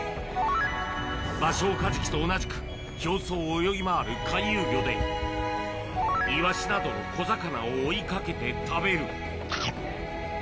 バショウカジキと同じく、表層を泳ぎ回る回遊魚で、イワシなどの小魚を追いかけて食べる。